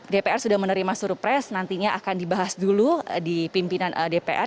dpr sudah menerima suruh pres nantinya akan dibahas dulu di pimpinan dpr